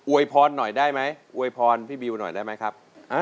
วยพรหน่อยได้ไหมอวยพรพี่บิวหน่อยได้ไหมครับ